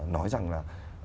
nói rằng là